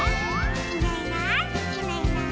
「いないいないいないいない」